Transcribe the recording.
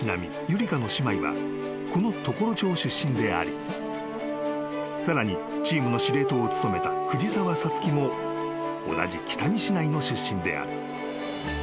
夕梨花の姉妹はこの常呂町出身でありさらにチームの司令塔を務めた藤澤五月も同じ北見市内の出身である］